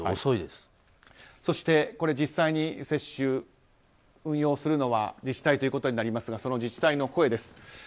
そして実際に運用するのは自治体になりますが自治体の声です。